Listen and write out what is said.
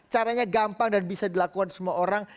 caranya gampang dan bisa dilakukan semua orang